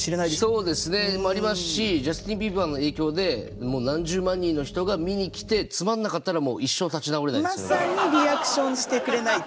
そうですね。もありますしジャスティンビーバーの影響で何十万人の人が見に来てつまんなかったらまさにリアクションしてくれない。